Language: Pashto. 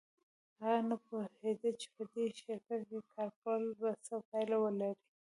هغه نه پوهېده چې په دې شرکت کې کار کول به څه پایله ولري